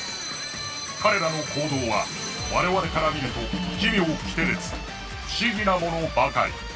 彼らの行動は我々から見ると奇妙きてれつ不思議なものばかり。